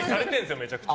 めちゃくちゃ。